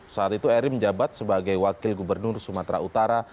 saat itu eri menjabat sebagai wakil gubernur sumatera utara